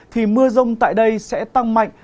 thì mưa rông tại đây sẽ tăng mạnh